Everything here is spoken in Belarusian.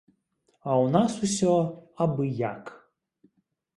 А ў нас усё абы-як.